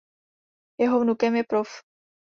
Jeho vnukem je prof.